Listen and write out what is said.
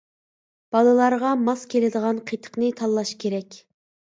بالىلارغا ماس كېلىدىغان قېتىقنى تاللاش كېرەك.